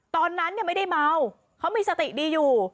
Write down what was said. ตอนนั้นไม่ได้เมาเขามีสติดีอยู่